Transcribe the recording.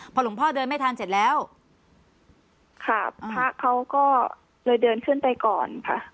พอหลวงพ่อเดินไม่ทันเสร็จแล้วค่ะพระเขาก็เลยเดินขึ้นไปก่อนค่ะ